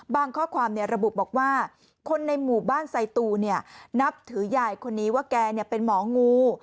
บางข้อความเนี่ยระบุบอกว่าคนในหมู่บ้านไสตูเนี่ยนับถือใหญ่คนนี้ว่าแกเนี่ยเป็นหมองู